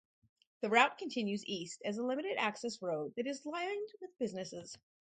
The route continues east as a limited access road that is lined with businesses.